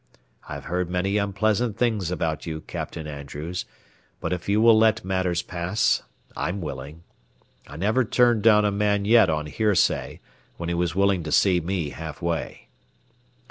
I've heard many unpleasant things about you, Captain Andrews, but if you will let matters pass, I'm willing. I never turned down a man yet on hearsay when he was willing to see me half way."